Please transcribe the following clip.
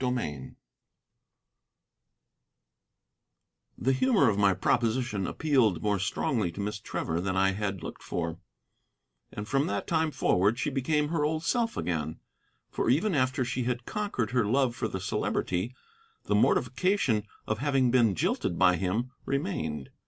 CHAPTER VIII The humor of my proposition appealed more strongly to Miss Trevor than I had looked for, and from that time forward she became her old self again; for, even after she had conquered her love for the Celebrity, the mortification of having been jilted by him remained.